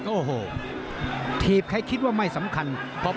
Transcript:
โอ้โหถีบใครคิดว่าไม่สำคัญ